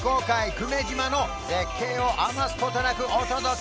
久米島の絶景を余すことなくお届け！